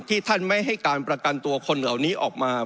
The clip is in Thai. ท่านไม่ให้การประกันตัวคนเหล่านี้ออกมา